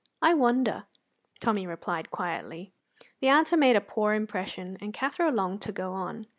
"I wonder," Tommy replied quietly. The answer made a poor impression, and Cathro longed to go on.